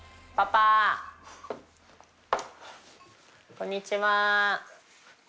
こんにちは！